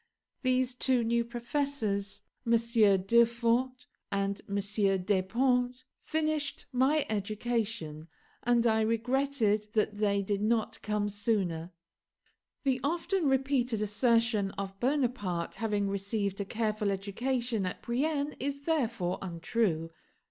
These two new professors, MM. Durfort and Desponts, finished my education; and I regretted that they did not come sooner. The often repeated assertion of Bonaparte having received a careful education at Brienne is therefore untrue.